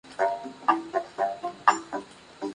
Museo Nacional de Arte Moderno.